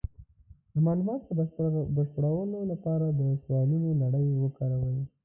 د معلوماتو د بشپړولو لپاره د سوالونو لړۍ وکاروئ.